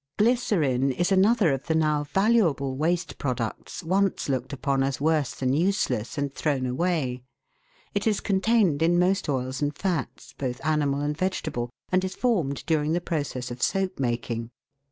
Glycerine is another of the now valuable waste products once looked upon as worse than useless, and thrown away. It is contained in most oils and fats, both animal and vegetable, and is formed during the process of soap making.